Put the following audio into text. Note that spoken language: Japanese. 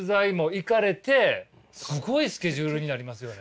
すごいスケジュールになりますよね。